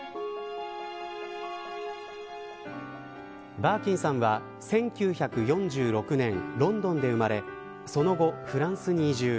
バーキンさんは１９４６年ロンドンで生まれその後フランスに移住。